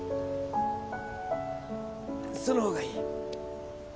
「その方がいい」